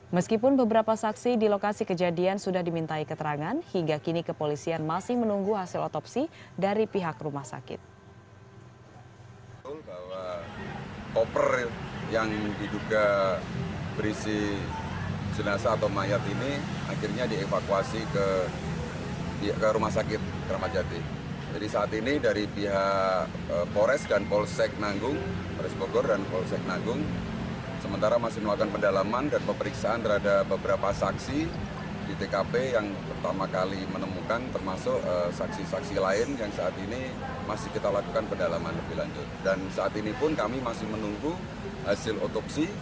meskipun beberapa saksi di lokasi kejadian sudah dimintai keterangan hingga kini kepolisian masih menunggu hasil otopsi dari pihak rumah sakit